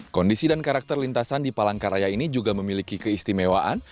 kondisi dan karakter lintasan di palangkaraya ini juga memiliki keistimewaan